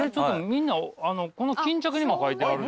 みんなこの巾着にも書いてはるで。